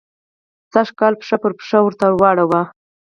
سل کاله پښه پر پښه ورته واړوي.